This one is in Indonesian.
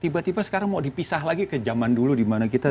tiba tiba sekarang mau dipisah lagi ke zaman dulu dimana kita